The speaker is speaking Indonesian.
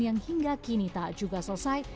yang hingga kini tak juga selesai